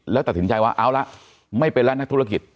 แล้วตัดสินใจว่าเอาละไม่เป็นแล้วนักธุรกิจ